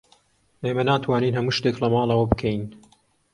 ئێمە ناتوانین هەموو شتێک لە ماڵەوە بکەین.